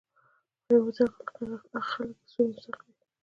چې یوازې هغه خلک د سولې مستحق دي